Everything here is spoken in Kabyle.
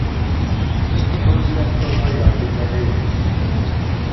Ur lliɣ ssaẓayeɣ tibalizin-inu.